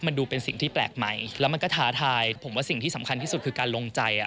มันดูเป็นสิ่งที่แปลกใหม่แล้วมันก็ท้าทายผมว่าสิ่งที่สำคัญที่สุดคือการลงใจอ่ะ